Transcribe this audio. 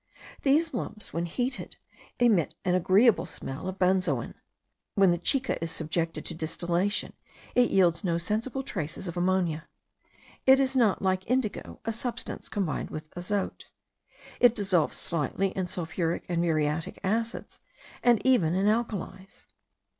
These lumps, when heated, emit an agreeable smell of benzoin. When the chica is subjected to distillation, it yields no sensible traces of ammonia. It is not, like indigo, a substance combined with azote. It dissolves slightly in sulphuric and muriatic acids, and even in alkalis.